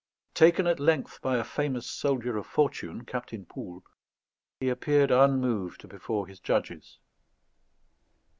Taken at length by a famous soldier of fortune, Captain Poul, he appeared unmoved before his judges.